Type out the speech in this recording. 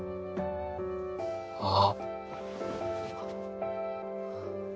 あっ。